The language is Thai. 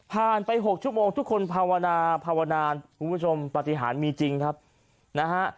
ไปหกชั่วโมงทุกคนภาวนาภาวนาญคุณผู้ชมปฏิหารมีจริงครับนะฮะ